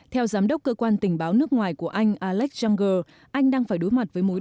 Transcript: theo giám đốc cơ quan tình báo nước ngoài của anh alex jungger anh đang phải đối mặt với mối